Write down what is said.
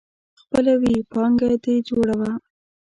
خپله ويي پانګه دي جوړوه.